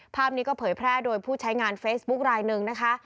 ภาพนี้ก็เผยแพร่โดยผู้ใช้งานเฟซบุ๊คลายหนึ่งนะคะ